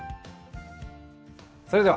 それでは。